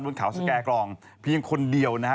บนเขาสแก่กรองเพียงคนเดียวนะฮะ